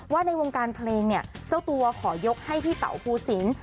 ว่าในวงการเพลงเจ้าตัวขอยกให้พี่เต๋าภูสิน